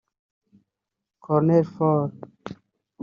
Colonel Fall